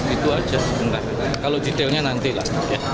itu aja sebenarnya kalau detailnya nantilah